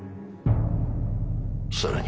更に。